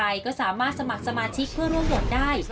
ใครก็สามารถสมัครสมาชิกเพื่อร่วมโหวตได้